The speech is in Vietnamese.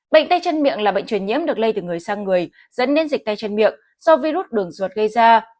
bệnh tay chân miệng là bệnh truyền nhiễm được lây từ người sang người dẫn đến dịch tay chân miệng do virus đường ruột gây ra